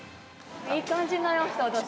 ◆いい感じになりました、私。